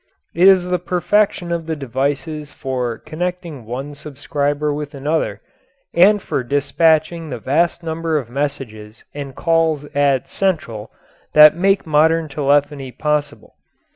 It is the perfection of the devices for connecting one subscriber with another, and for despatching the vast number of messages and calls at "central," that make modern telephony possible.